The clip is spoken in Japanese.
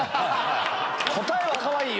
答えはかわいいよ。